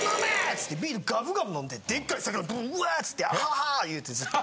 つってビールがぶがぶ飲んででっかい魚ブーワ釣ってアハハ言うてずっと。